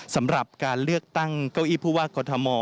สำหรับการเลือกตั้งเก้าอี้ผู้ว่ากอทม